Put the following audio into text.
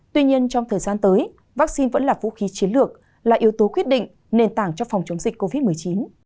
tuy nhiên trong thời gian tới vaccine vẫn là vũ khí chiến lược là yếu tố quyết định nền tảng cho phòng chống dịch covid một mươi chín